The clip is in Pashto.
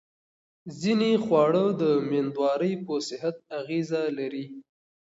ځینې خواړه د مېندوارۍ په صحت اغېزه لري.